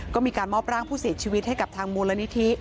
ก็มีการมอบร่างผู้เสียชีวิตให้กับทางมูลนิธิ